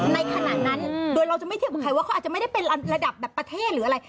ในขณะนั้นโดยเราจะไม่เทียบกับใครว่าเขาอาจจะไม่ได้เป็นระดับแบบประเทศหรืออะไร